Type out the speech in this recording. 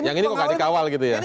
yang ini kok nggak dikawal gitu ya